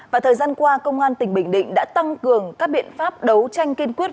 và thời gian qua công an tỉnh bình định đã tăng cường các biện pháp đấu tranh kiên quyết